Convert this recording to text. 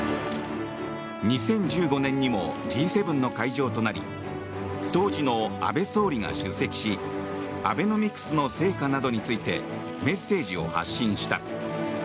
２０１５年にもＧ７の会場となり当時の安倍総理が出席しアベノミクスの成果などについてメッセージを発信した。